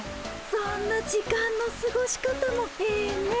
そんな時間のすごし方もええねえ。